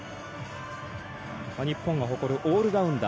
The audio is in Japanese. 日本が誇るオールラウンダー。